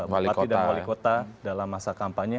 wali kota dalam masa kampanye